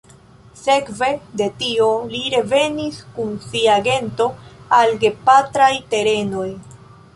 Sekve de tio li revenis kun sia gento al gepatraj terenoj.